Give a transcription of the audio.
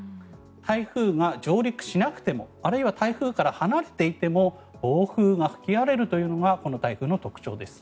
台風が上陸しなくてもあるいは台風から離れていても暴風が吹き荒れるというのがこの台風の特徴です。